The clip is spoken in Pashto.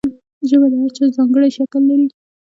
ژبه د هر چا ځانګړی شکل لري.